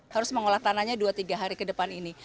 harus mengolah tanahnya dua tiga hari ke depan ini